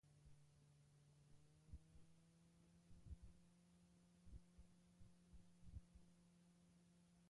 Hain zuzen ere, laranja biziarekin parekatzen dute moda adituek mandarina kolorea.